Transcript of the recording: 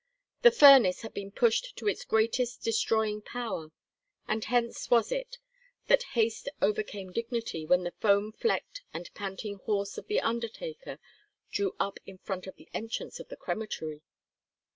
The furnace had been pushed to its greatest destroying power, and hence was it that haste overcame dignity when the foam flecked and panting horses of the undertaker drew up in front of the entrance of the crematory.